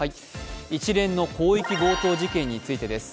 一連の広域強盗事件についです。